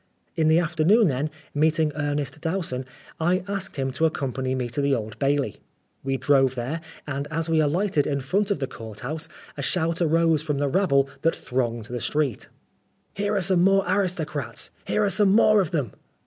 In the afternoon then, meeting Ernest Dowson, I asked him to accompany me to the Old Bailey. We drove there, and as we alighted in front of the court house, a shout arose from the rabble that thronged the street, " Here are some more aristocrats! Here are some more of them